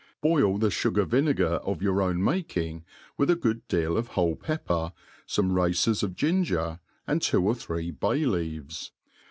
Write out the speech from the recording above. Boil the' fugar vinegar of your owil making, with a good deal of whole pepper, fodie races of gin ger, and two or three bay leaves.